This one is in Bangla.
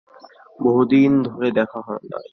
বহুদিন ধরে দেখা নেই।